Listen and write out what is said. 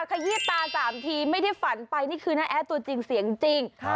ขยี้ตา๓ทีไม่ได้ฝันไปนี่คือน้าแอดตัวจริงเสียงจริง